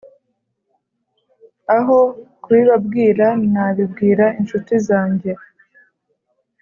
Aho kubibabwira nabibwira incuti zanjye